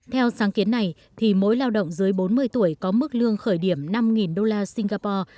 theo sáng kiến này thì mỗi lao động dưới bốn mươi tuổi có mức lương khởi điểm năm đô la singapore